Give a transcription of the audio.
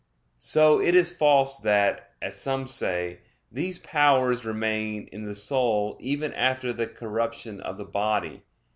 So it is false that, as some say, these powers remain in the soul even after the corruption of the body.